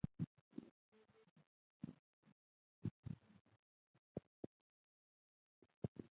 روبوټونه د دقیقو محاسبې وړتیا لري.